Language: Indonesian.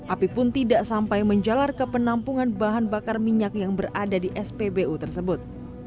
api pun tidak sampai menjalar ke penampungan bahan bakar minyak yang berada di spbu tersebut